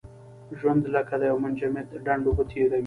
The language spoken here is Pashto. ژوند لکه د یو منجمد ډنډ اوبه تېروي.